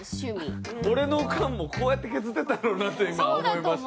俺のオカンもこうやって削ってたんやろうなって今思いました。